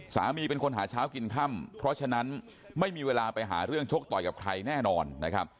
เป็นคนหาเช้ากินค่ำเพราะฉะนั้นไม่มีเวลาไปหาเรื่องชกต่อยกับใครแน่นอนนะครับ